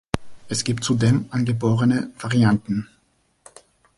Es gibt zudem angeborene Varianten.